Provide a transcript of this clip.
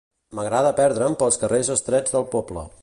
M'agrada perdre'm pels carrers estrets del poble.